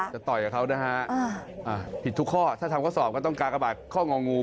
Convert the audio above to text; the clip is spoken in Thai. ต่อยกับเขานะฮะผิดทุกข้อถ้าทำข้อสอบก็ต้องกากบาทข้ององู